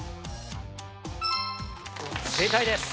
正解です。